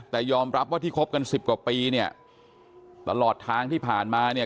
แต่ยอมรับว่าที่คบกันสิบกว่าปีเนี่ยตลอดทางที่ผ่านมาเนี่ย